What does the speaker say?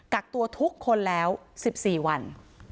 กักตัวทุกคนแล้วสิบสี่วัน